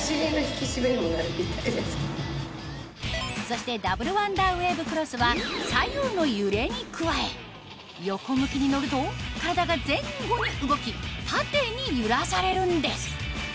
そしてダブルワンダーウェーブクロスは左右の揺れに加え横向きに乗ると体が前後に動き縦に揺らされるんです